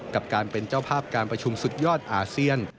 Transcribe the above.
กับการเป็นเจ้าภาพการประชุมสุดยอดอาเซียน